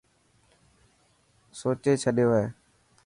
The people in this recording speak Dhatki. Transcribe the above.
سوچي ڇڏيو هي.